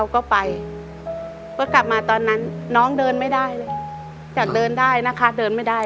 ก็ไปก็กลับมาตอนนั้นน้องเดินไม่ได้เลยจากเดินได้นะคะเดินไม่ได้